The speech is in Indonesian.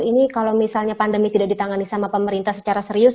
ini kalau misalnya pandemi tidak ditangani sama pemerintah secara serius